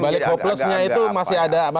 balik hopelessnya itu masih ada